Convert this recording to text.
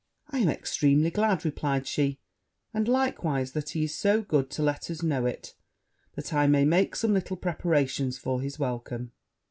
'I am extremely glad,' replied she; 'and, likewise, that he is so good to let us know it, that I may make some little preparations for his welcome.'